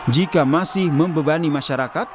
jika masih membebani masyarakat